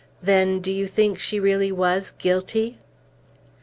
"Then do you think she really was guilty?"